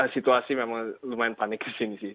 situasi memang lumayan panik di sini sih